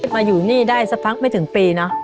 มาอยู่นี่ได้สักพักไม่ถึงปีนะ